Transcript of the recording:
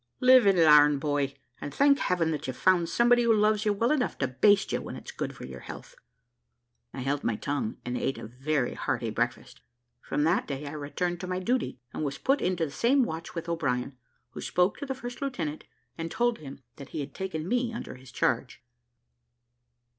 Live and larn, boy, and thank Heaven that you've found somebody who loves you well enough to baste you when it's good for your health." I held my tongue and ate a very hearty breakfast. From that day I returned to my duty, and was put into the same watch with O'Brien, who spoke to the first lieutenant, and told him that he had taken me under his charge.